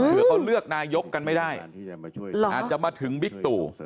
เผื่อเขาเลือกนายกกันไม่ได้อาจจะมาถึงบิ๊กตู่